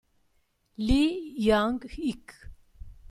Lee Young-ik